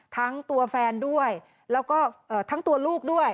ทั้งตัวแฟนด้วยแล้วก็ทั้งตัวลูกด้วย